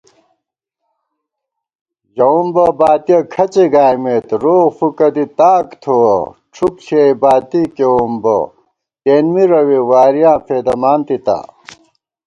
ژَوُمبہ باتِیَہ کھڅےگائیمېت، روغ فُکہ دی تاک تھووَہ * ڄُھپ ݪِیَئی باتی کېوُم بہ تېنمی روےوارِیاں فېدَمان تِتا